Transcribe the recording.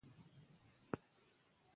ښارونه افغانانو ته په معنوي لحاظ ارزښت لري.